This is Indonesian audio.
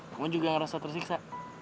kamu juga ngerasa tersiksa